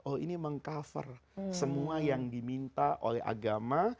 oh ini meng cover semua yang diminta oleh agama